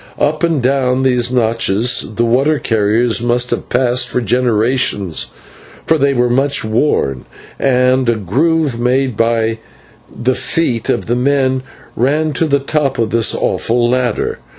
Up and down these notches the water carriers must have passed for generations, for they were much worn, and a groove made by the feet of men ran to the top of this awful ladder.